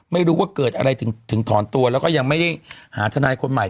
ไม่รู้ว่าเกิดอะไรถึงถอนตัวแล้วก็ยังไม่ได้หาทนายคนใหม่